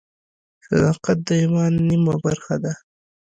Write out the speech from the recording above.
صداقت د ایمان نیمه برخه ده.